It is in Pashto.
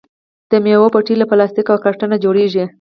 د میوو پیټۍ له پلاستیک او کارتن جوړیږي.